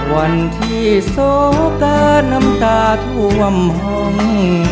วันที่โศกะน้ำตาถวมห่อง